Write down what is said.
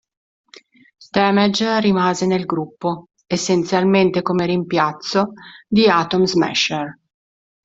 Damage rimase nel gruppo, essenzialmente come rimpiazzo di Atom Smasher.